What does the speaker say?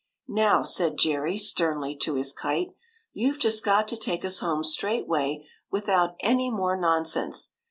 " Now," said Jerry sternly to his kite, " you Ve just got to take us home straightway without any more nonsense